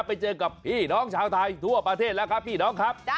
ไปเจอกับพี่น้องชาวไทยทั่วประเทศแล้วครับพี่น้องครับ